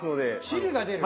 汁が出る？